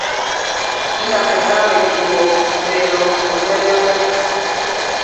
Bi na kɛ ɗaŋ mɛdivɔ mɛnɔ ri mɛlɛmɔ.